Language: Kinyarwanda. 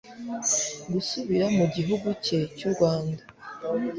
gusubira mu gihugu cye cy'u Rwanda